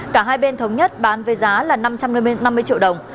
cả hai bên thống nhất bán với giá là năm trăm năm mươi triệu đồng